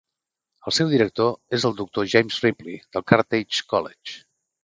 El seu director és el doctor James Ripley del Carthage College.